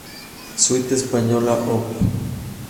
Suite española Op.